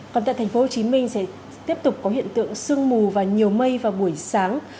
còn tại tp hcm sẽ tiếp tục có hiện tượng sương mù và nhiều mây vào buổi sáng